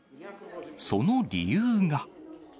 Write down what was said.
その理由が。